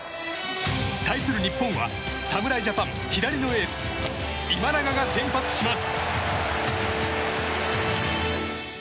対する日本は侍ジャパン左のエース今永が先発します。